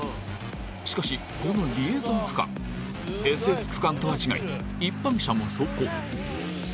しかし、このリエゾン区間ＳＳ区間とは違い一般車も走行。